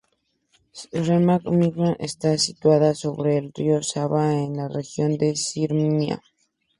Sremska Mitrovica está situada sobre el río Sava, en la región de Sirmia.